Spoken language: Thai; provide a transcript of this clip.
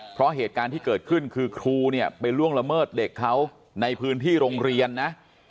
เพราะเหตุการณ์ที่เกิดขึ้นคือครูเนี่ยไปล่วงละเมิดเด็กเขาในพื้นที่โรงเรียนนะ